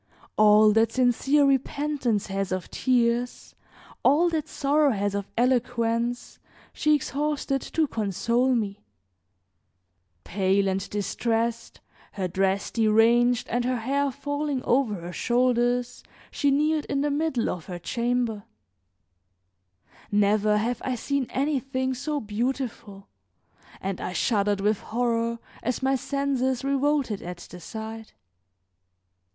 All that sincere repentance has of tears, all that sorrow has of eloquence, she exhausted to console me; pale and distressed, her dress deranged and her hair falling over her shoulders she kneeled in the middle of her chamber; never have I seen anything so beautiful and I shuddered with horror as my senses revolted at the sight.